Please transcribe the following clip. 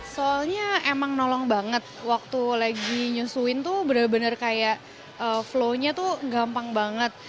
soalnya emang nolong banget waktu lagi nyusuin tuh bener bener kayak flow nya tuh gampang banget